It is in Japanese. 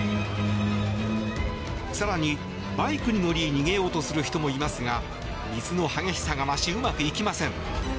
更に、バイクに乗り逃げようとする人もいますが水の激しさが増しうまくいきません。